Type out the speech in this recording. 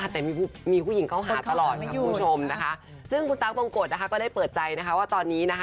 แต่มีผู้หญิงเข้าหาตลอดค่ะคุณผู้ชมนะคะซึ่งคุณตั๊กบงกฎนะคะก็ได้เปิดใจนะคะว่าตอนนี้นะคะ